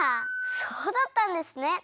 そうだったんですね。